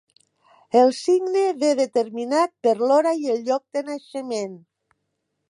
El signe ve determinat per l'hora i el lloc de naixement.